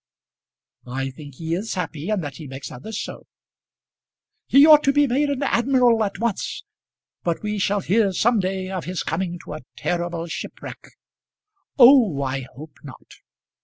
"I think he is happy, and that he makes others so." "He ought to be made an admiral at once But we shall hear some day of his coming to a terrible shipwreck." "Oh, I hope not!"